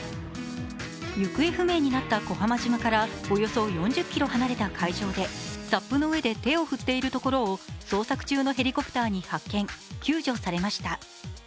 行方不明になった小浜島からおよそ４０ｋｍ離れた海上でＳＵＰの上で手を振っているところを捜索中のヘリコプターに発見・救助されました。